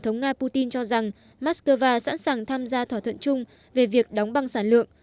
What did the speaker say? nga putin cho rằng moscow sẵn sàng tham gia thỏa thuận chung về việc đóng băng sản lượng